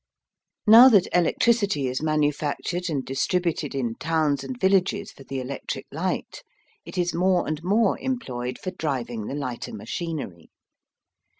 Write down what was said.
Now that electricity is manufactured and distributed in towns and villages for the electric light, it is more and more employed for driving the lighter machinery.